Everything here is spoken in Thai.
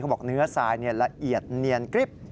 บอกเนื้อทรายละเอียดเนียนกริ๊บ